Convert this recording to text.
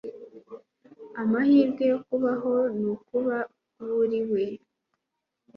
amahirwe yo kubaho ni ukuba uwo uri we. - joseph campbell